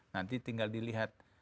nanti tinggal dilihat